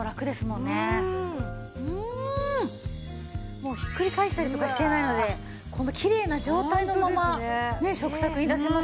もうひっくり返したりとかしてないのでこのきれいな状態のまま食卓に出せますからね。